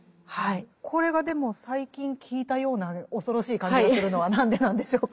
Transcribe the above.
これがでも最近聞いたような恐ろしい感じがするのは何でなんでしょうか。